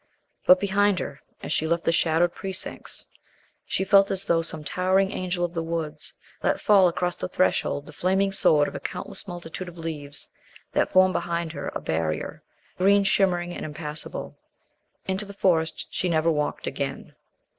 But behind her, as she left the shadowed precincts, she felt as though some towering Angel of the Woods let fall across the threshold the flaming sword of a countless multitude of leaves that formed behind her a barrier, green, shimmering, and impassable. Into the Forest she never walked again.